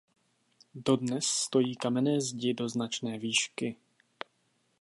Dodnes stojí kamenné zdi do značné výšky.